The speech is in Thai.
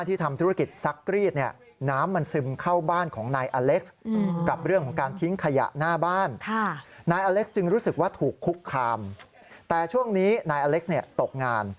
ลูกคามแต่ช่วงนี้นายอเล็กซ์ตกงาน